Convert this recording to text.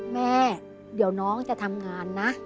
แม่เดี๋ยวน้องจะทำงานนะ